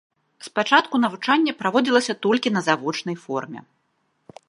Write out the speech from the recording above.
Спачатку навучанне праводзілася толькі на завочнай форме.